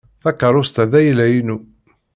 Takeṛṛust-a d ayla-inu.